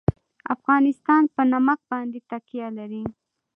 افغانستان په نمک باندې تکیه لري.